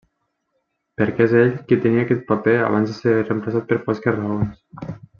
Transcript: Perquè és ell qui tenia aquest paper abans de ser reemplaçat per fosques raons.